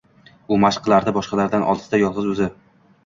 U mashq qilardi — boshqalardan olisda, yolg‘iz o‘zi